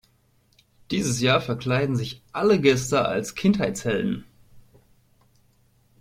Dieses Jahr verkleiden sich alle Gäste als Kindheitshelden.